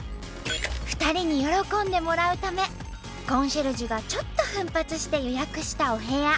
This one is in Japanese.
２人に喜んでもらうためコンシェルジュがちょっと奮発して予約したお部屋。